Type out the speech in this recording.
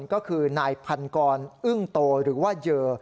ก็คือนายพันกรอึ้งโตหรือว่าเยอ